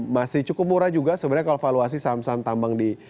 masih cukup murah juga sebenarnya kalau valuasi saham saham tambang di